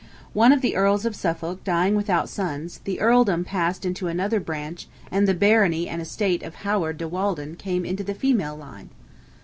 One of the Earls of Suffolk dying without sons, the Earldom passed into another branch and the Barony and estate of Howard de Walden came into the female line.